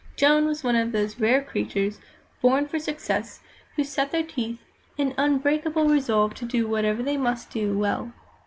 Joan was one of those rare creatures, born for success, who set their teeth in unbreakable resolve to do whatever they must do, well.